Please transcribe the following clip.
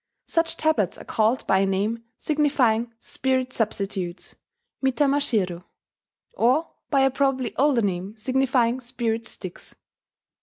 Such tablets are called by a name signifying "spirit substitutes" (mitamashiro), or by a probably older name signifying "spirit sticks."